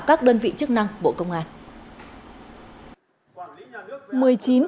các đơn vị chức năng bộ công an